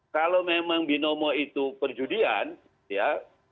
kalau memang binomo itu perjudian ya